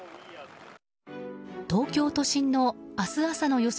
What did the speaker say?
東京都心の明日朝の予想